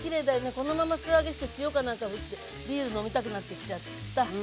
このまま素揚げして塩かなんかふってビール飲みたくなってきちゃった。